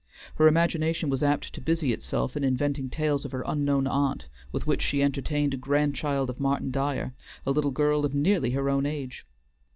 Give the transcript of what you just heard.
Her imagination was apt to busy itself in inventing tales of her unknown aunt, with which she entertained a grandchild of Martin Dyer, a little girl of nearly her own age.